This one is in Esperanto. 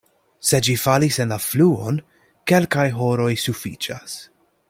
Se ĝi falis en la fluon, kelkaj horoj sufiĉas.